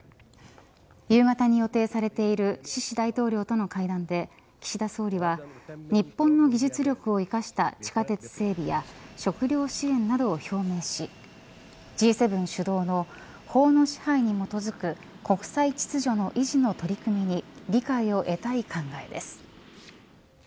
夕方に予定されているシシ大統領との会談で岸田総理は日本の技術力を生かした地下鉄整備や食糧支援などを表明しＧ７主導の法の支配に基づく国際秩序の維持の取り組みに理解を得たい考えです。